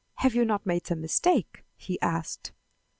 "Have you not made some mistake?" he asked.